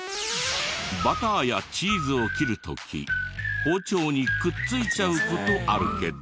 バターやチーズを切る時包丁にくっついちゃう事あるけど。